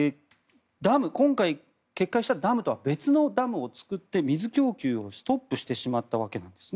今回、決壊したダムとは別のダムを造って水供給をストップしてしまったわけです。